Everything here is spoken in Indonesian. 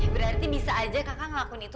berarti bisa aja kakak ngelakuin itu